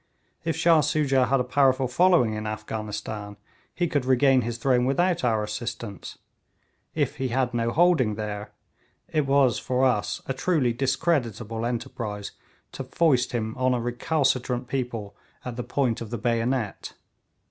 If Shah Soojah had a powerful following in Afghanistan, he could regain his throne without our assistance; if he had no holding there, it was for us a truly discreditable enterprise to foist him on a recalcitrant people at the point of the bayonet.